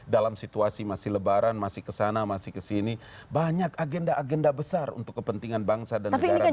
dalam situasi masih lebaran masih kesana masih kesini banyak agenda agenda besar untuk kepentingan bangsa dan negara kita